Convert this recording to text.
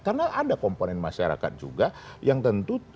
karena ada komponen masyarakat juga yang tentu